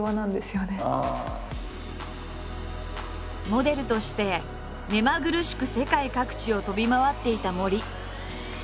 モデルとして目まぐるしく世界各地を飛び回っていた森。